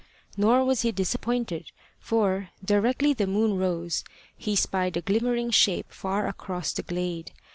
Nor was he disappointed, for, directly the moon rose, he spied a glimmering shape far across the glade.